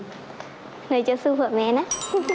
เธอให้เจอสู้บ่วงแม่นะ